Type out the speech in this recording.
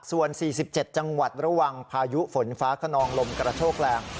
ส่วน๔๗จังหวัดระวังพายุฝนฟ้าขนองลมกระโชกแรง